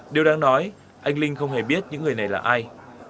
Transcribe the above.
điều đáng nói anh linh không hề biết những người này là ai